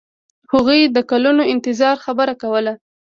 هغوی د کلونو انتظار خبره کوله.